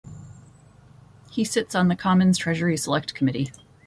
He sits on the Commons Treasury Select Committee.